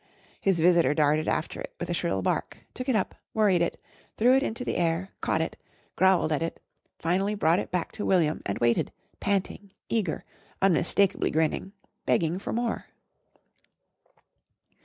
His visitor darted after it with a shrill bark, took it up, worried it, threw it into the air, caught it, growled at it, finally brought it back to William and waited, panting, eager, unmistakably grinning, begging for more.